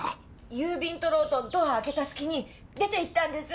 郵便取ろうとドア開けたすきに出て行ったんです。